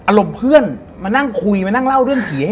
หอมแสดงว่าดี